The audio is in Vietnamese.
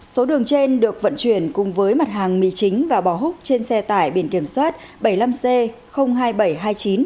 số đường trên được vận chuyển cùng với mặt hàng mì chính và bò húc trên xe tải biển kiểm soát bảy mươi năm c hai nghìn bảy trăm hai mươi chín